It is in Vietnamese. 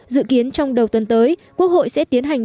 dự kiến trong đầu tuần tới quốc hội sẽ tiến hành